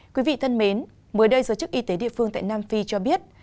quý vị thân mến mới đây giới chức y tế địa phương tại nam phi cho biết